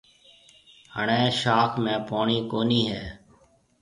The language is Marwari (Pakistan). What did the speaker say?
هڻيَ شاخ ۾ پوڻِي ڪونِي هيَ۔